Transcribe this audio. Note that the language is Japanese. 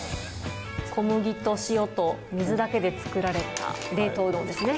小麦と塩と水だけで作られた冷凍うどんですね。